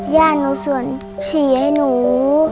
ญาติหนูส่วนขี่ให้หนู